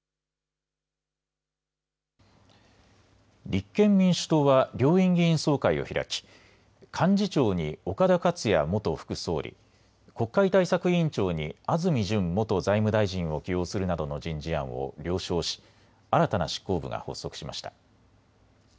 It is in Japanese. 立憲民主党は両院議員総会を開き、幹事長に岡田克也元副総理、国会対策委員長に安住淳元財務大臣を起用するなどの人事案を了承し新たな執行部が発足しました。